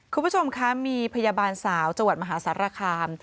คุณผู้ชมคะมีพยาบาลสาวจังหวัดมหาสารคาม